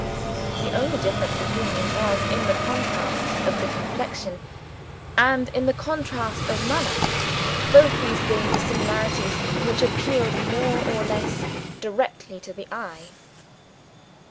(The only difference between them was in the contrast of complexion and in the contrast of manner both these being dissimilarities which appealed more or less directly to the eye.)